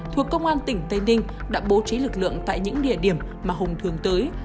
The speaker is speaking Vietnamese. thuộc công an tỉnh tây ninh đã bố trí lực lượng tại những địa điểm mà hùng thường tới